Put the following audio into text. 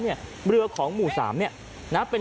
เฮ้ยเฮ้ยเฮ้ยเฮ้ย